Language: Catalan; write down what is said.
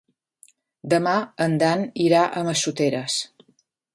Demà en Dan irà a Massoteres.